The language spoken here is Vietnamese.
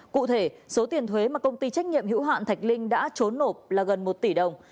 cụ thể số tiền thuế mà công ty trách nhiệm hữu hạn thạch linh đã trốn nộp là gần một tỷ đồng